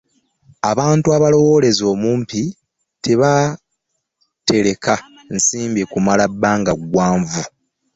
Abantu abalowooleza omumpi tebatereka nsimbi kumala bbanga ggwanvu.